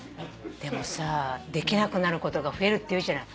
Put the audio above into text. でもさできなくなることが増えるっていうじゃない。